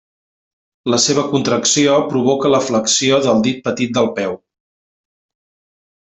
La seva contracció provoca la flexió del dit petit del peu.